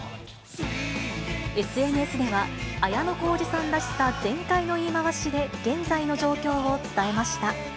ＳＮＳでは、綾小路さんらしさ全開の言い回しで、現在の状況を伝えました。